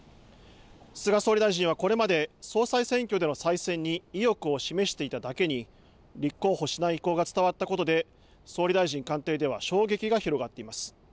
菅総理大臣は、これまで総裁選挙での再選に意欲を示していただけに立候補しない意向が伝わったことで総理大臣官邸では衝撃が広がっています。